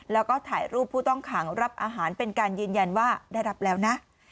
แล้วก็ถ่ายรูปผู้ต้องขังรับอาหารเป็นการยืนยันว่าได้รับแล้วนะ